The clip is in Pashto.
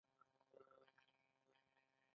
نیشاپور او طوس ښارونه هم ورسره یوځای شول.